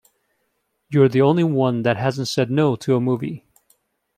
You're the only one that hasn't said no to a movie